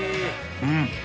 うん。